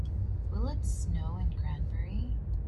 Will it snow in Granbury?